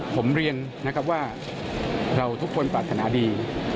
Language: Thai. ผมเรียนนะครับว่าเราทุกคนปรารถนาดี